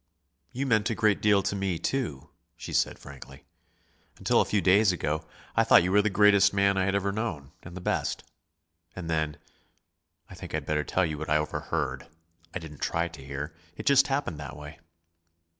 "You meant a great deal to me, too," she said frankly, "until a few days ago. I thought you were the greatest man I had ever known, and the best. And then I think I'd better tell you what I overheard. I didn't try to hear. It just happened that way."